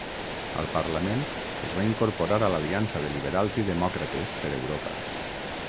Al parlament es va incorporar a l'Aliança de Liberals i Demòcrates per Europa.